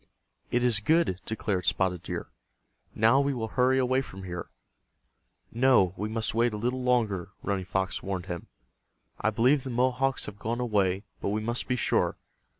"It is good," declared Spotted Deer. "Now we will hurry away from here," "No, we must wait a little longer," Running Fox warned him. "I believe the Mohawks have gone away, but we must be sure.